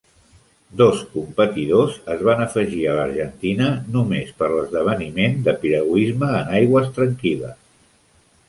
Dos competidors es van afegir a l'Argentina només per l'esdeveniment de piragüisme en aigües tranquil·les.